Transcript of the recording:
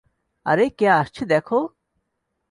আরে, কে আসছে দেখো!